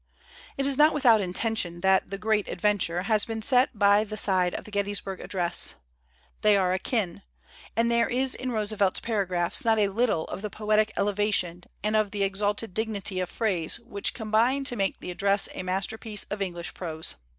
It is not without intention that the ' Great Adventure' has been set by the side of the Gettysburg ad dress; they are akin, and there is in Roosevelt's paragraphs not a little of the poetic elevation and of the exalted dignity of phrase which com bine to make the address a masterpiece of Eng lish prose.